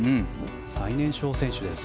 最年少選手です。